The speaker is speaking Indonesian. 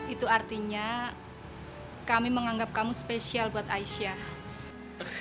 itu artinya kami menganggap kamu spesial buat aisyah